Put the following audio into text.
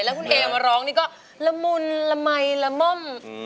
แล้วคุณเอมาร้องนี่ก็ละมุนละมัยละม่อม